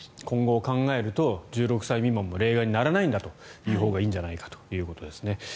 今後を考えると１６歳未満も例外にならないんだというほうがいいんじゃないかということですね。